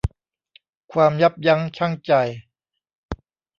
ความยับยั้งชั่งใจ